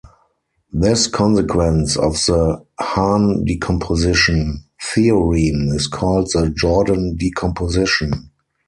This consequence of the Hahn decomposition theorem is called the "Jordan decomposition".